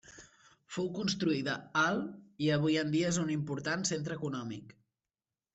Fou construïda el i avui dia és un important centre econòmic.